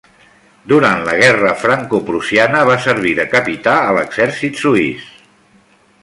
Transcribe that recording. Durant la guerra francoprussiana va servir de capità a l'exèrcit suís.